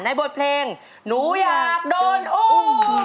บทเพลงหนูอยากโดนอุ้ม